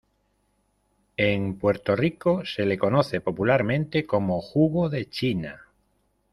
En Puerto Rico se le conoce popularmente como jugo de China.